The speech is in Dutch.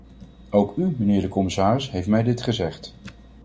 Ook u, mijnheer de commissaris, heeft mij dit gezegd.